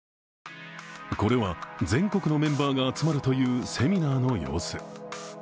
これは全国のメンバーが集まるというセミナーの様子。